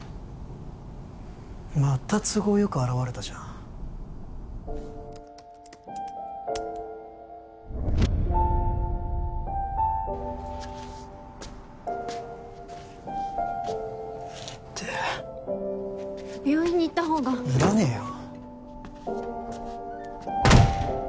また都合よく現れたじゃんイッテエ病院に行ったほうがいらねえよ